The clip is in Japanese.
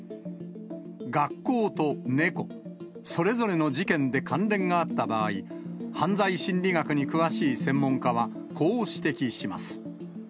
学校と猫、それぞれの事件で関連があった場合、犯罪心理学に詳しい専門家は、こう指摘します。